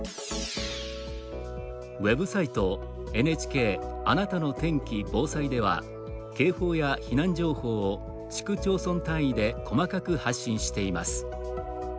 ウェブサイト「ＮＨＫあなたの天気・防災」では、警報や避難情報を市区町村単位で細かく発信しています。